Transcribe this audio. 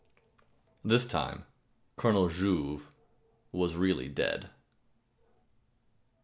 This time Colonel Jouve was really dead.